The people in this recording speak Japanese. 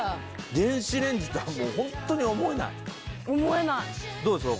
電子レンジとはもうホンットに思えないどうですか